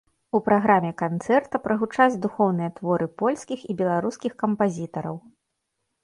У праграме канцэрта прагучаць духоўныя творы польскіх і беларускіх кампазітараў.